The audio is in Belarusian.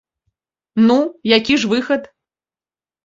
Ну, які ж выхад?!